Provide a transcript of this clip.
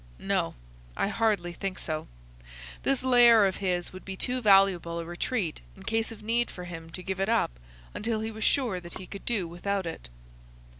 "No, I hardly think so. This lair of his would be too valuable a retreat in case of need for him to give it up until he was sure that he could do without it.